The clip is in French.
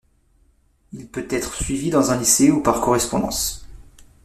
Il peut être suivi dans un lycée ou par correspondance.